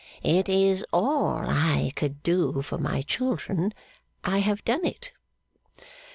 'It is all I could do for my children I have done it.